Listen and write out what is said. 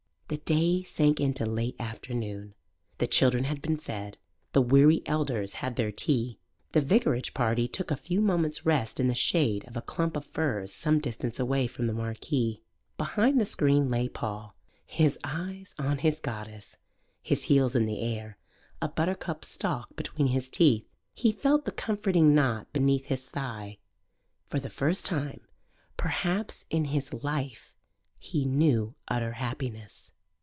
The day sank into late afternoon. The children had been fed. The weary elders had their tea. The vicarage party took a few moments' rest in the shade of a clump of firs some distance away from the marquee. Behind the screen lay Paul, his eyes on his goddess, his heels in the air, a buttercup stalk between his teeth. He felt the comforting knot beneath his thigh. For the first time, perhaps, in his life, he knew utter happiness.